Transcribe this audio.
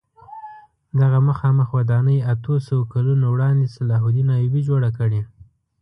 دغه مخامخ ودانۍ اتو سوو کلونو وړاندې صلاح الدین ایوبي جوړه کړې.